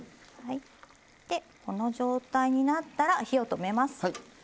この状態になったら火を止めます。